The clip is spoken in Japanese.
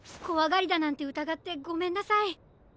こわがりだなんてうたがってごめんなさい！